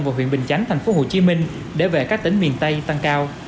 và huyện bình chánh thành phố hồ chí minh để về các tỉnh miền tây tăng cao